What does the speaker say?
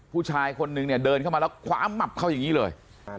ผู้ชายคนนึงเนี่ยเดินเข้ามาแล้วคว้ามับเขาอย่างนี้เลย